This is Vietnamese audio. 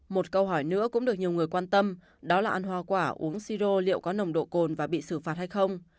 một câu hỏi nữa cũng được nhiều người quan tâm đó là ăn hoa quả uống siro liệu có nồng độ cồn và bị xử phạt hay không